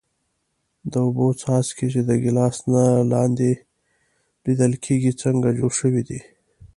د اوبو څاڅکي چې د ګیلاس لاندې لیدل کیږي څنګه جوړ شوي دي؟